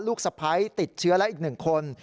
สะพ้ายติดเชื้อแล้วอีก๑คน